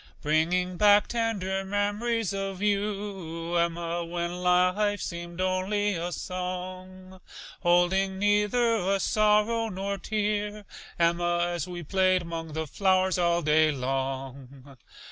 Bringing back tender mem'ries of you, Emma, When life seemed only a song, Holding neither a sorrow nor tear, Emma, As we played 'mong the flowers all day long.